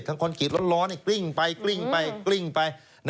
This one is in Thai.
ทั้งคอนกิจร้อนกริ้งไปกริ้งไปกริ้งไป